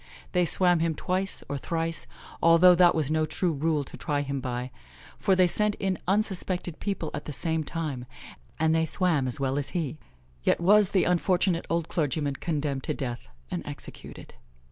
They swam him twice or thrice, although that was no true rule to try him by, for they sent in unsuspected people at the same time, and they swam as well as he; yet was the unfortunate old clergyman condemned to death and executed.